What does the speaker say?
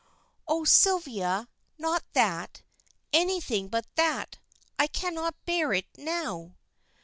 "Oh, Sylvia! not that; anything but that. I cannot bear it now!"